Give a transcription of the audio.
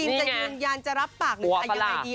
ฟิล์มจะยืนยันจะรับปากหรืออะไรดี